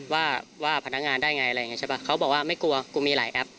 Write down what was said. ว่าว่าพนักงานได้ไงอะไรอย่างเงี้ใช่ป่ะเขาบอกว่าไม่กลัวกูมีหลายแอป